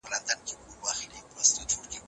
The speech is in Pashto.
ټولنه بايد د نوي نسل ښوونې ته پام وکړي.